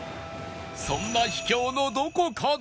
そんな秘境のどこかで